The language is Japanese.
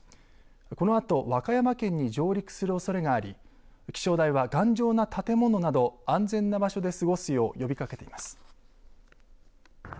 このあと和歌山県に上陸するおそれがあり気象台は頑丈な建物など安全な場所で過ごすよう呼びかけています。